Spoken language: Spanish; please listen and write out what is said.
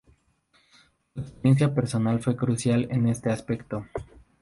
Su experiencia personal fue crucial en este aspecto.